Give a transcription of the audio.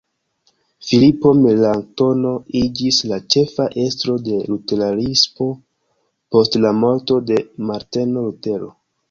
Filipo Melanktono iĝis la ĉefa estro de luteranismo post la morto de Marteno Lutero.